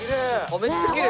めっちゃきれい！